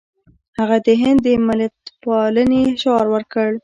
هغه د هند ملتپالنې شعار ورکړ.